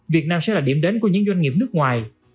việt nam sẽ là điểm đến của những doanh nghiệp nước ngoài